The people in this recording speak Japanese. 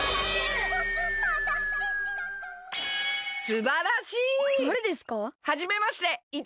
すばらしい！